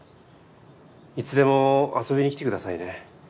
いつでも遊びにきてくださいね。